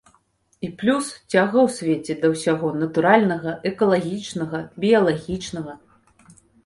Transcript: І плюс, цяга ў свеце да ўсяго натуральнага, экалагічнага, біялагічнага.